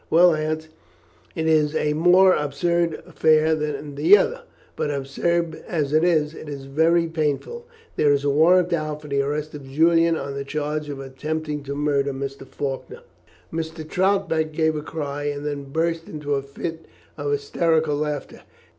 "Well, Aunt, it is a more absurd affair than the other; but, absurd as it is, it is very painful. There is a warrant out for the arrest of Julian on the charge of attempting to murder Mr. Faulkner." Mrs. Troutbeck gave a cry, and then burst into a fit of hysterical laughter.